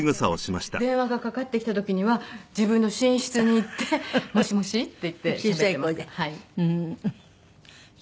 電話がかかってきた時には自分の寝室に行って「もしもし」って言ってしゃべってます。